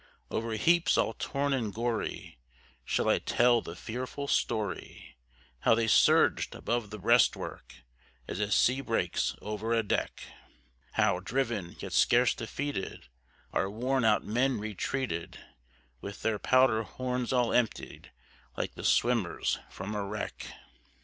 Over heaps all torn and gory shall I tell the fearful story, How they surged above the breastwork, as a sea breaks over a deck; How, driven, yet scarce defeated, our worn out men retreated, With their powder horns all emptied, like the swimmers from a wreck?